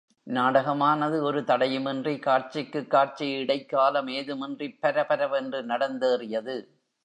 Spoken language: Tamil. நாடகமானது ஒரு தடையுமின்றி, காட்சிக்குக் காட்சி இடைக்காலம் ஏதுமின்றிப் பரபரவென்று நடந்தேறியது.